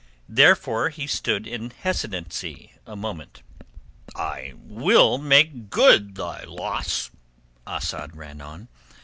Therefore he stood in hesitancy a moment. "I will make good thy, loss," Asad ran on.